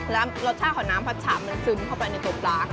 แล้วรสชาติของน้ำพัดฉามันซึมเข้าไปในตัวปลาค่ะ